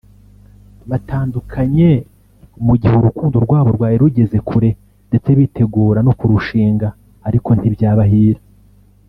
Batandukanye mu igihe urukundo rwabo rwari rugeze kure ndetse bitegura no ku rushinga ariko ntibyabahira